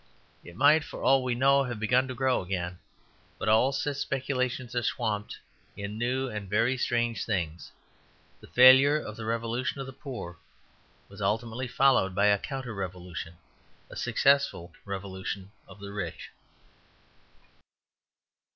It might, for all we know, have begun to grow again; but all such speculations are swamped in new and very strange things. The failure of the revolution of the poor was ultimately followed by a counter revolution; a successful revolution of the rich.